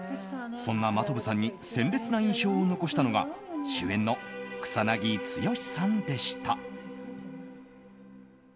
そんな真飛さんに鮮烈な印象を残したのが主演の草なぎ剛さんでした。